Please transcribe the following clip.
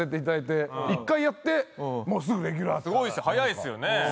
すごい早いっすよね。